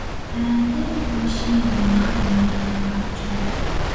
برنده با شیر یا خط معین خواهد شد.